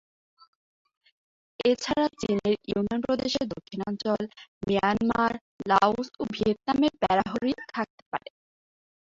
এছাড়া চীনের ইউনান প্রদেশের দক্ষিণাঞ্চল, মিয়ানমার, লাওস ও ভিয়েতনামে প্যারা হরিণ থাকতে পারে।